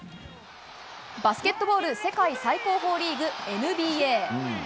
バスケットボール世界最高峰リーグＮＢＡ。